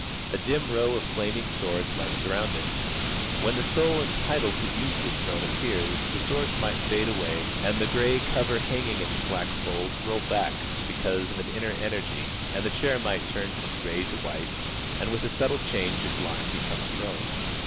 A dim row of flaming swords might surround it. When the soul entitled to use this throne appears, the swords might fade away and the gray cover hanging in slack folds roll back because of an inner energy and the chair might turn from gray to white, and with a subtle change of line become a throne.